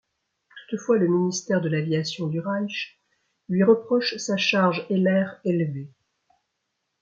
Toutefois le Ministère de l'Aviation du Reich lui reproche sa charge ailaire élevée.